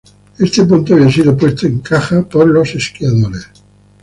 Este punto había sido puesto en "caja" por los esquiadores.